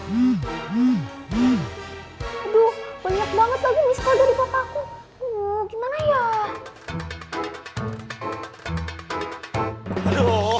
aduh banyak banget lagi miskin dari papaku gimana ya